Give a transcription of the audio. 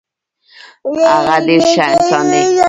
هغه ډیر ښه انسان دی.